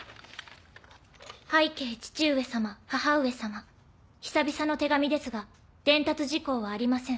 「拝啓父上様母上様久々の手紙ですが伝達事項はありません」。